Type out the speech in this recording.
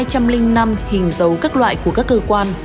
một trăm linh năm hình dấu các loại của các cơ quan